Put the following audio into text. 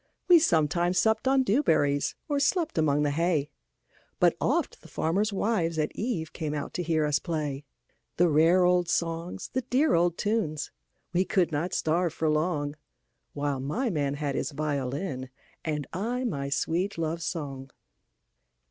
We sometimes supped on dew berries, Or slept among the hay, But oft the farmers' wives at eveCame out to hear us play; The rare old songs, the dear old tunes,—We could not starve for longWhile my man had his violin, And I my sweet love song.